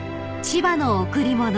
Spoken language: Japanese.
［『千葉の贈り物』］